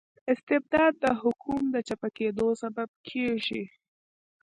استبداد د حکوم د چپه کیدو سبب کيږي.